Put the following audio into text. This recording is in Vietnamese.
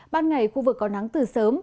ban ngày khu vực có nắng từ sớm